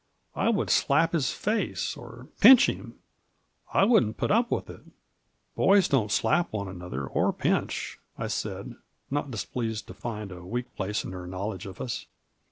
" I would slap his face, or pinch him. I wouldn't put up with itl" " Boys don't slap one another, or pinch," I said, not displeased to find a weak place in her knowledge of us.